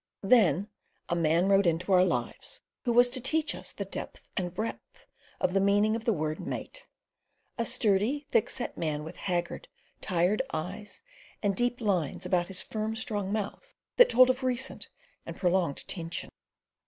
Then a man rode into our lives who was to teach us the depth and breadth of the meaning of the word mate—a sturdy, thick set man with haggard, tired eyes and deep lines about his firm strong mouth that told of recent and prolonged tension.